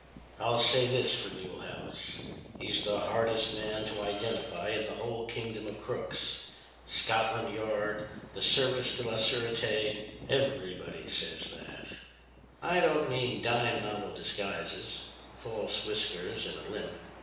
"I'll say this for Mulehaus: He's the hardest man to identify in the whole kingdom of crooks. Scotland Yard, the Service de la Surete, everybody, says that. I don't mean dime novel disguises—false whiskers and a limp.